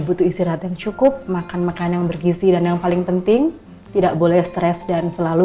butuh istirahat yang cukup makan makan yang bergisi dan yang paling penting tidak boleh stres dan selalu